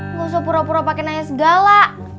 nggak usah pura pura pake nanya segala